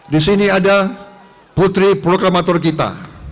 di sini ada putri proklamator kita